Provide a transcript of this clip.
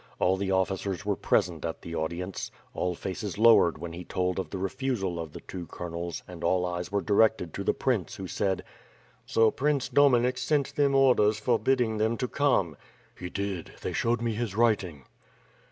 All the officers were pre sent at the audience. All faces lowered when he told of the refusal of the two colonels and all eyes were directed to the prince, who said, "So Prince Dominik sent them orders forbidding them to come!'' "He did; they showed me his writing."